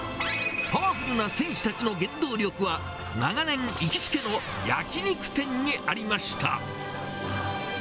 パワフルな選手たちの原動力は、長年、行きつけの焼き肉店にありました。